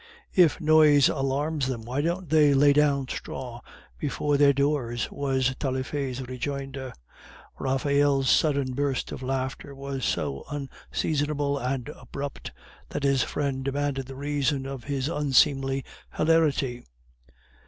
"If noise alarms them, why don't they lay down straw before their doors?" was Taillefer's rejoinder. Raphael's sudden burst of laughter was so unseasonable and abrupt, that his friend demanded the reason of his unseemly hilarity.